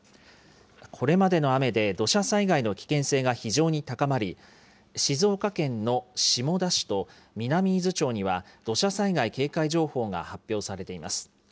これまでの雨で、土砂災害の危険性が非常に高まり、静岡県の下田市と南伊豆町には、土砂災害警戒情報が発表されています。